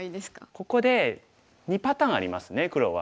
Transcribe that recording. ここで２パターンありますね黒は。